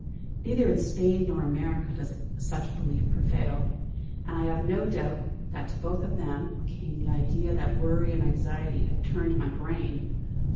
Neither in Spain nor America does such a belief prevail; and I have no doubt that to both of them came the idea that worry and anxiety had turned my brain.